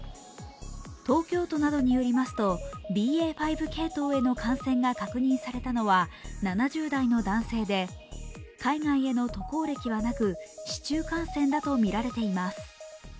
東京都などによりますとＢＡ．５系統への感染が確認されたのは７０代の男性で海外への渡航歴はなく、市中感染だとみられています。